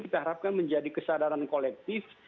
kita harapkan menjadi kesadaran kolektif